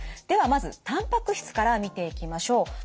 ではまずたんぱく質から見ていきましょう。